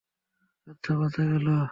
আচ্ছা, বাঁচা গেল!